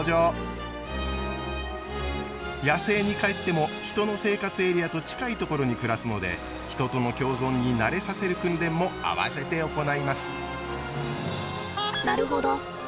野生にかえっても人の生活エリアと近いところに暮らすので人との共存に慣れさせる訓練も併せて行います。